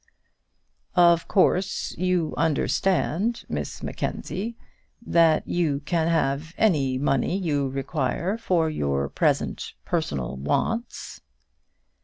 "Of course you understand, Miss Mackenzie, that you can have any money you require for your present personal wants."